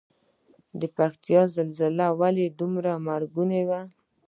د پکتیکا زلزله ولې ډیره مرګونې وه؟